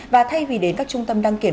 và thay vì đến các trung tâm đăng kiểm